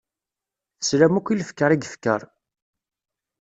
Teslam akk i lekfeṛ i yekfeṛ.